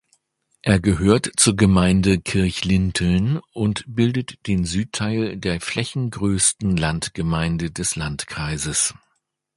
Er gehört zur Gemeinde Kirchlinteln und bildet den Südteil der flächengrößten Landgemeinde des Landkreises.